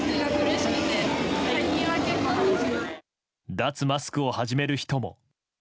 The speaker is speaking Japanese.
脱マスクを始める人も。